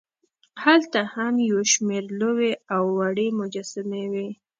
هلته هم یوشمېر لوې او وړې مجسمې وې.